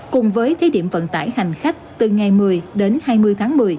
cùng với thế điểm vận tải hành khách từ ngày một mươi đến hai mươi tháng một mươi